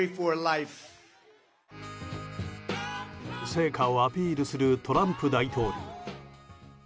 成果をアピールするトランプ大統領。